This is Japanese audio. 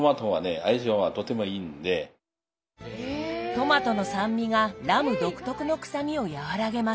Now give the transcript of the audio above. トマトの酸味がラム独特の臭みを和らげます。